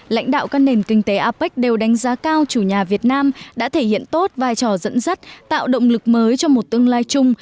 lãnh đạo các nền kinh tế apec đều đánh giá cao chủ nhà việt nam đã thể hiện tốt vai trò dẫn dắt tạo động lực mới cho một tương lai chung